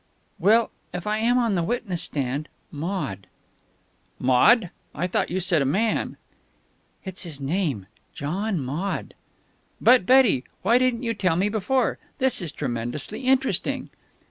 "Well, if I am on the witness stand Maude." "Maude? I thought you said a man?" "It's his name. John Maude." "But, Betty! Why didn't you tell me before? This is tremendously interesting."